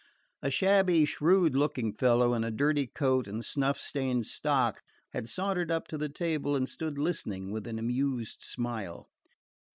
A shabby shrewd looking fellow in a dirty coat and snuff stained stock had sauntered up to the table and stood listening with an amused smile.